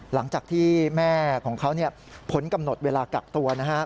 หลังจากที่แม่ของเขาผลกำหนดเวลากลับตัว